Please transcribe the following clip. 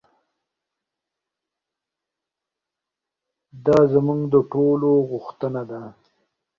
دا زموږ د ټولو غوښتنه ده.